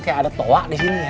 kayak ada toa disini ya